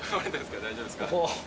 大丈夫ですか？